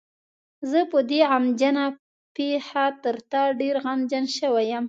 زه په دې غمجنه پېښه تر تا ډېر غمجن شوی یم.